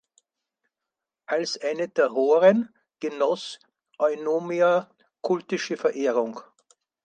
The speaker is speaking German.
Als eine der Horen genoss Eunomia kultische Verehrung.